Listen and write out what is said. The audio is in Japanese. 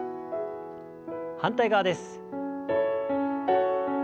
反対側です。